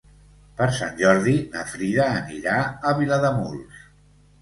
Per Sant Jordi na Frida anirà a Vilademuls.